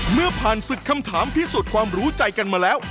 เมื่อผ่านศึกคำถามพิสูจน์ความรู้ใจกันมาแล้ว